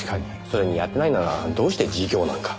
それにやってないならどうして自供なんか。